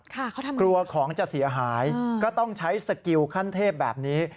กลัวของจะเสียหายก็ต้องใช้สกิลขั้นเทพแบบนี้